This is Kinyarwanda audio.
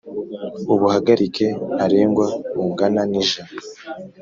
Ubuhagarike ntarengwa bungana nijana.